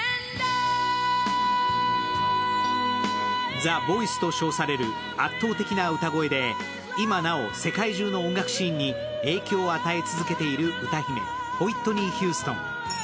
「ＴＨＥＶＯＩＣＥ」と称される圧倒的な歌声で今なお世界中の音楽シーンに影響を与え続けている歌姫、ホイットニー・ヒューストン。